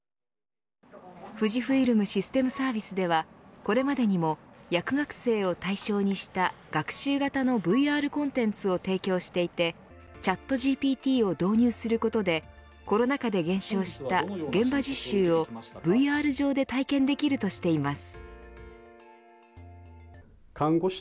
富士フイルムシステムサービスではこれまでにも薬学生を対象にした学習型のＶＲコンテンツを提供していてチャットＧＰＴを導入することでコロナ禍で減少した現場実習をＶＲ上で体験できるとしています。